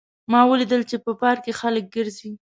ما ولیدل چې په پارک کې خلک ګرځي